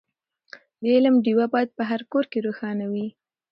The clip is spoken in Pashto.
د علم ډېوه باید په هر کور کې روښانه وي.